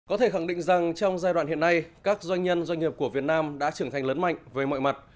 có thể khẳng định rằng trong giai đoạn hiện nay các doanh nhân doanh nghiệp của việt nam đã trưởng thành lớn mạnh về mọi mặt